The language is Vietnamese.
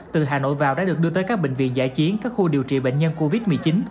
từ hà nội vào đã được đưa tới các bệnh viện giải chiến các khu điều trị bệnh nhân covid một mươi chín